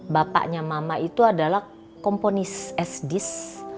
bapaknya mama itu adalah komponis sdis